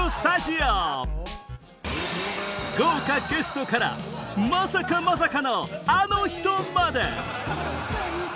豪華ゲストからまさかまさかのあの人まで！